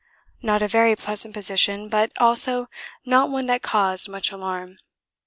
Not a very pleasant position, but also not one that caused much alarm.